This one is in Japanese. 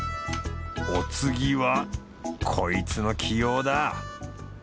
お次はこいつの起用だ！